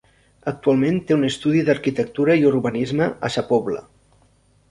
Actualment té un estudi d'arquitectura i urbanisme a Sa Pobla.